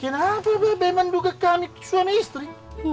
kenapa bemen duka kami suami istri